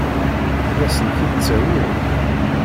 Ad asent-t-id-tawim?